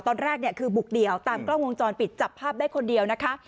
ตอนแรกเนี่ยคือบุกเดี่ยวตามกล้องวงจรปิดจับภาพได้คนเดียวนะคะ